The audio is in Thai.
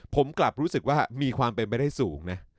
ผมกลับรู้สึกว่ามีความเป็นไปได้สูงนะ